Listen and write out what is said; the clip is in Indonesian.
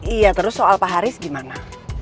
iya terus soal pak haris gimana